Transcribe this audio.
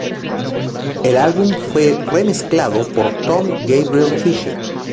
El álbum fue re-mezclado por Tom Gabriel Fischer.